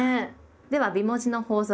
では美文字の法則